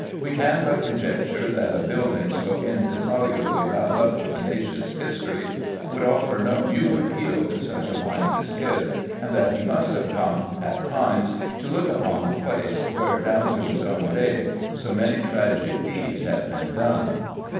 We can but conjecture that a building so indissolubly bound up with the nation's history would offer no mute appeal to such a mind as his, and that he must have come, at times, to look upon the place where, down to his own day, so many tragic deeds had been done.